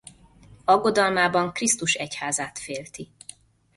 Aggodalmában Krisztus egyházát félti.